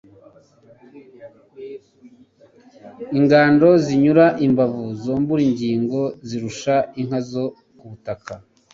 Ingondo ziyinyura imbavu zombiIngingo izirusha inka zo ku butaka